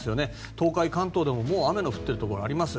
東海、関東でも、もう雨の降っているところあります。